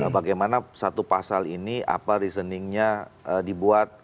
bagaimana satu pasal ini apa reasoningnya dibuat